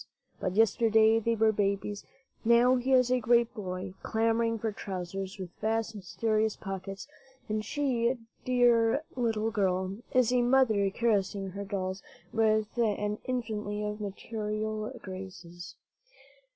But yesterday they were babies; now he is a great boy, clamoring for trousers with vast, mysterious pockets; and she, dear little girl, is a mother, caressing her dolls with an infinity of maternal graces.